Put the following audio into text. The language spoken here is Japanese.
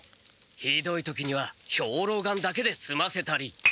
ひどい時には兵糧丸だけですませたり。